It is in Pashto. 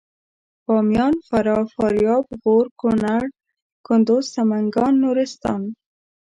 باميان فراه فاریاب غور کنړ کندوز سمنګان نورستان